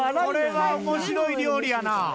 これは面白い料理やな。